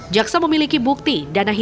jaksa memiliki bukti